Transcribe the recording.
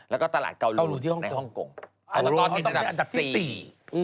แล้วก็ตลาดเกาหลูในฮ่องกงแล้วก็เกียรติศาสตร์๔นะครับอืม